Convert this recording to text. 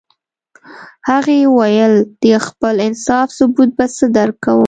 هغې ویل د خپل انصاف ثبوت به څه درکوم